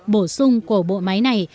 bổ sung của bộ máy này